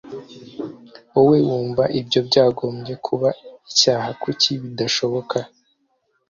wowe wumva ibyo byagombye kuba icyaha kuki bidashoboka